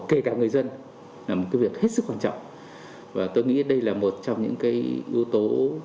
kể cả người dân là một cái việc hết sức quan trọng và tôi nghĩ đây là một trong những cái yếu tố